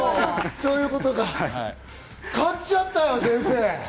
そういうことか、勝っちゃったよ、先生。